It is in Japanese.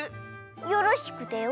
よろしくてよ。